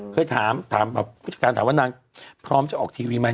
เคยถามถามผู้จัดการถามว่านางพร้อมจะออกทีวีไหม